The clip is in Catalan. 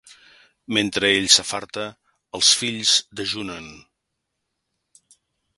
Mentre ell s'afarta, els fills dejunen.